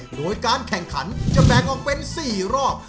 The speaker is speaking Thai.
โดยการแข่งขันจะแบ่งออกเป็น๔รอบ